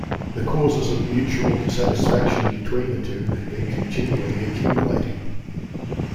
The causes of mutual dissatisfaction between the two had been continually accumulating.